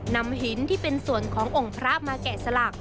นำหินที่เป็นส่วนขององค์พระมาแกะสลัก